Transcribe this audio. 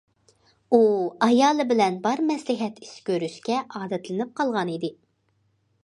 ئۇ، ئايالى بىلەن بار مەسلىھەت ئىش كۆرۈشكە ئادەتلىنىپ قالغان ئىدى.